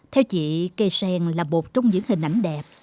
theo chị cây sen là một trong những hình ảnh đẹp